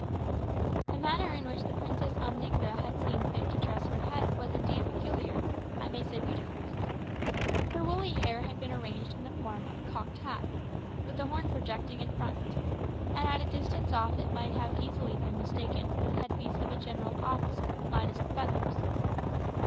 The manner in which the Princess Oninga had seen fit to dress her head was indeed peculiar, I may say ludicrous. Her woolly hair had been arranged in the form of a cocked hat, with a horn projecting in front, and at a short distance off it might easily have been mistaken for the headpiece of a general officer minus the feathers.